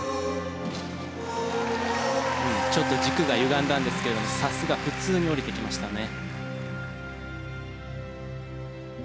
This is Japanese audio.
ちょっと軸がゆがんだんですけれどもさすが普通に降りてきましたね。